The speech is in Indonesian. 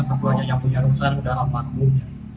mertuanya yang punya rumah saya udah hampir punya